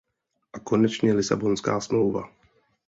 A konečně Lisabonská smlouva.